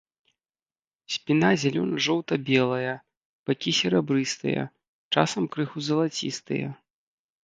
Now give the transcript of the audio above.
Спіна зялёна-жоўта-белая, бакі серабрыстыя, часам крыху залацістыя.